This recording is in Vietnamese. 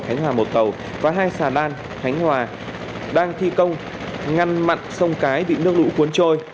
khánh hòa một cầu và hai xà lan khánh hòa đang thi công ngăn mặn sông cái bị nước lũ cuốn trôi